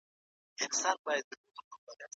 واکمن خوشحاله شو چې لاره اوږده ده.